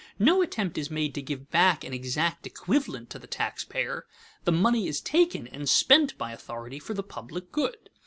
No attempt is made to give back an exact equivalent to the tax payer. The money is taken and spent by authority for the public good.